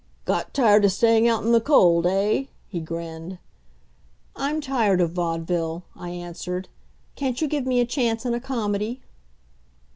"Got tired of staying out in the cold eh?" he grinned. "I'm tired of vaudeville," I answered. "Can't you give me a chance in a comedy?"